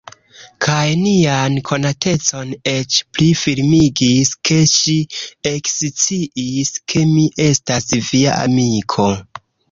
Kaj nian konatecon eĉ pli firmigis, ke si eksciis, ke mi estas Via amiko!